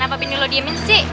kenapa bini lo diemin sih